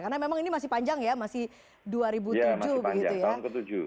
karena memang ini masih panjang ya masih dua ribu tujuh begitu ya